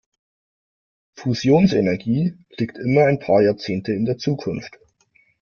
Fusionsenergie liegt immer ein paar Jahrzehnte in der Zukunft.